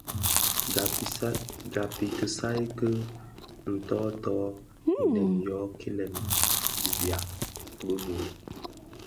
Gab i kisaï ki nton nto inèn yo kilèn di biag bi bum.